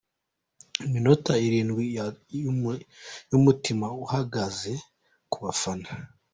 Iminota irindwi y’umutima uhagaze ku bafana .